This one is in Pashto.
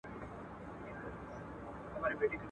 دا به څوک وي چي ستا مخي ته درېږي.